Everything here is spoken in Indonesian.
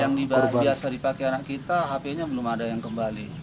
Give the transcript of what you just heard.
yang biasa dipakai anak kita hp nya belum ada yang kembali